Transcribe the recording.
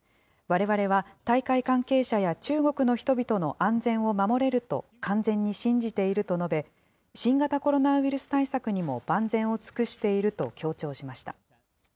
われわれは大会関係者や中国の人々の安全を守れると完全に信じていると述べ、新型コロナウイルス対策にも万全を尽くしていると強調しました。